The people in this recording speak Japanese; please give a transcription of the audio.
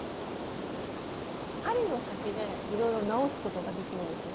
針の先でいろいろ直すことができるんですね？